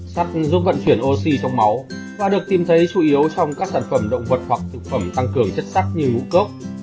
sắt giúp vận chuyển oxy trong máu và được tìm thấy chủ yếu trong các sản phẩm động vật hoặc thực phẩm tăng cường chất sắc như ngũ cốc